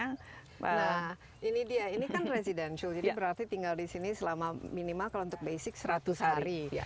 nah ini dia ini kan residential jadi berarti tinggal di sini selama minimal kalau untuk basic seratus hari